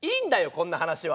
こんな話は。